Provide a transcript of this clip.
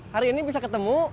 hari ini bisa ketemu